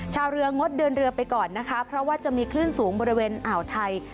ชาวเรืองดเดินเรือไปก่อนนะคะเพราะว่าจะมีคลื่นสูงบริเวณอ่าวไทย